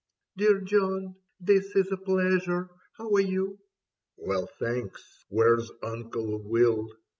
" Dear John, this is a pleasure. How are you ?"" Well, thanks. Where's Uncle Will